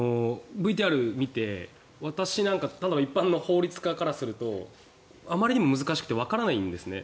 ＶＴＲを見て、私なんか一般の法律家からするとあまりに難しくてわからないんですね。